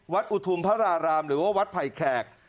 อุทุมพระรารามหรือว่าวัดไผ่แขก